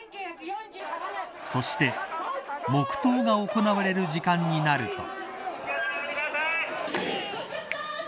そして黙とうが行われる時間になると。